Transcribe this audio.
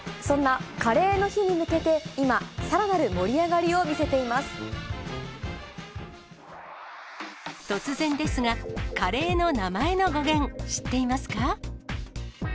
そんなカレーの日に向けて、今、さらなる盛り上がりを見せて突然ですが、カレーの名前の語源、知っていますか？